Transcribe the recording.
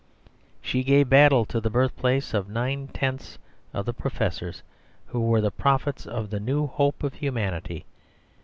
She gave battle to the birthplace of nine tenths of the professors who were the prophets of the new hope of humanity.